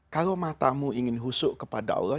kalau matamu ingin husuk kepada allah